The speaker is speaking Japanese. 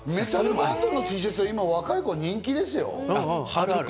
メタルバンドのＴシャツは今、若い子に人気ですよ。